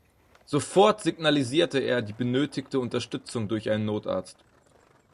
Sofort signalisierte er die benötigte Unterstützung durch einen Notarzt.